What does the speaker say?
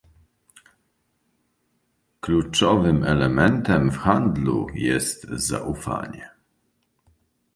Kluczowym elementem w handlu jest zaufanie